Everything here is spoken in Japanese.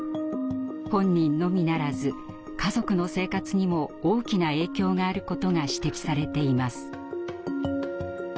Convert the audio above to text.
本人のみならず家族の生活にも大きな影響があることが指摘されています。